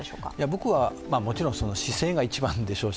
僕はもちろん姿勢が一番でしょうし